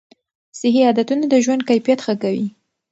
صحي عادتونه د ژوند کیفیت ښه کوي.